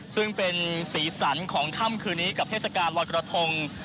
ซึ่งเป็นสีสันของค่ำคืนนี้กับเทศกาลลอยกระทง